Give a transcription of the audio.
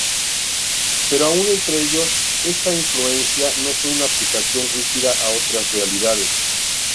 Pero aún entre ellos esta influencia no fue una aplicación rígida a otras realidades.